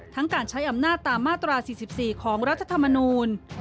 การใช้อำนาจตามมาตรา๔๔ของรัฐธรรมนูล